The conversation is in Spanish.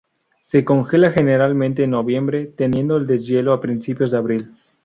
Se congela generalmente en noviembre, teniendo el deshielo a principios de abril.